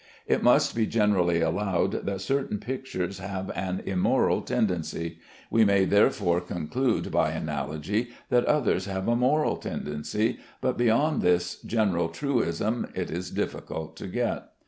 It must be generally allowed that certain pictures have an immoral tendency: we may, therefore conclude by analogy that others have a moral tendency, but beyond this general truism it is difficult to get.